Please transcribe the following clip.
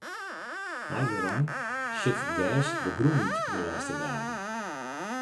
Nei de rein sjit it gers de grûn út de lêste dagen.